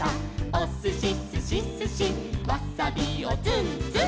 「おすしすしすしわさびをツンツン」